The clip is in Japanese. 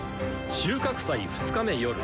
収穫祭２日目夜。